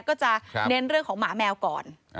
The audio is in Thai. ก็จะเน้นเรื่องของหมาแมวก่อน